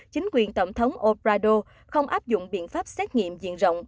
chính quyền tổng thống obrador không áp dụng biện pháp xét nghiệm diện rộng